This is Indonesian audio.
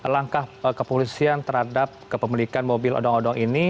langkah kepolisian terhadap kepemilikan mobil odong odong ini